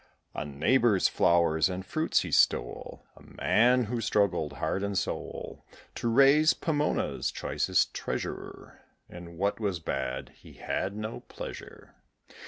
A neighbour's flowers and fruits he stole: A man who struggled, heart and soul, To raise Pomona's choicest treasure: In what was bad he had no pleasure.